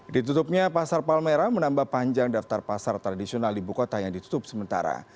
ditutupnya pasar palmerah menambah panjang daftar pasar tradisional di bukota yang ditutup sementara